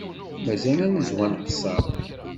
Mazal ad nezhu ad nqeṣṣer